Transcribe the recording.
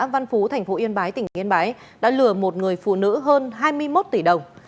văn phú thành phố yên bái tỉnh yên bái đã lừa một người phụ nữ hơn hai mươi một tỷ đồng